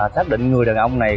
xác định người đàn ông này